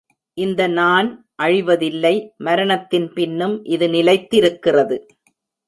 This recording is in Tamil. இந்த நான் அழிவதில்லை மரணத்தின் பின்னும் இது நிலைத்திருக்கிறது.